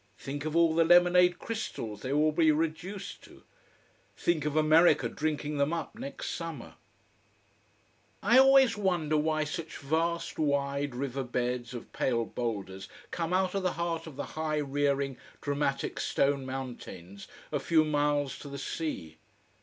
Think of all the lemonade crystals they will be reduced to! Think of America drinking them up next summer. I always wonder why such vast wide river beds of pale boulders come out of the heart of the high rearing, dramatic stone mountains, a few miles to the sea.